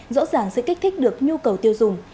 rõ ràng sẽ kích thích được nhu cầu tiêu dùng